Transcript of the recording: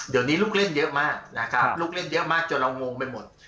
เดี๋ยวนี้ลูกเล่นเยอะมากนะครับลูกเล่นเยอะมากจนเรางงไปหมด